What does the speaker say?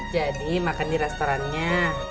jadi makan di restorannya